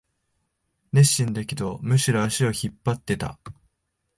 熱心だけど、むしろ足を引っ張ってた